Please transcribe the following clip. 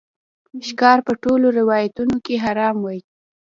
ښکار په ټولو روایاتو کې حرام وای